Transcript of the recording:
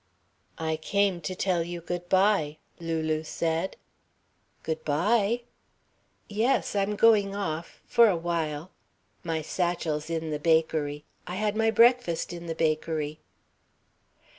"I came to tell you good bye," Lulu said. "Good bye!" "Yes. I'm going off for a while. My satchel's in the bakery I had my breakfast in the bakery."